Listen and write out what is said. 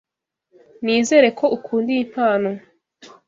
Nizere ko ukunda iyi mpano.